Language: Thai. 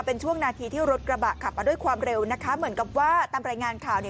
เป็นช่วงนาทีที่รถกระบะขับมาด้วยความเร็วนะคะเหมือนกับว่าตามรายงานข่าวเนี่ย